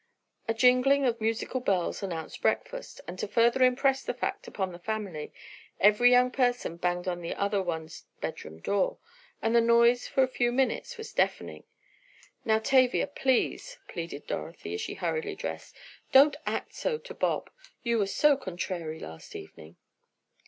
A jingling of musical bells announced breakfast, and to further impress the fact upon the family, every young person banged on the other one's bedroom door, and the noise for a few minutes was deafening. "Now, Tavia, please," pleaded Dorothy, as she hurriedly dressed, "don't act so to Bob! You were so contrary last evening!"